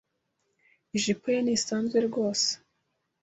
Ijipo ye ntisanzwe rwose.